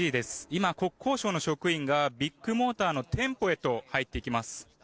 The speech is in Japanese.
今、国交省の職員がビッグモーターの店舗へと入っていきます。